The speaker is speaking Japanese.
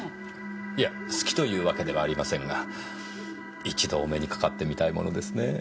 いや好きというわけではありませんが一度お目にかかってみたいものですねぇ。